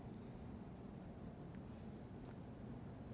anda berdua belum belum kena waktu aja